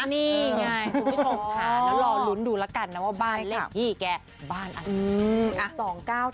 นี่ไงคุณผู้ชมค่ะแล้วรอลุ้นดูแล้วกันนะว่าบ้านเลขที่แกบ้านอะไร